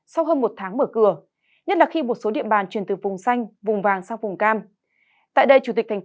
xin mời quý vị và các bạn cùng theo dõi